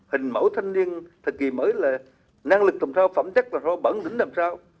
hình mẫu thanh niên thời kỳ mới là năng lực làm sao phẩm chất làm sao bẩn tính làm sao